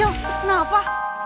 eh angel kenapa